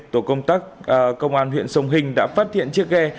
tổ công tác công an huyện sông hinh đã phát hiện chiếc ghe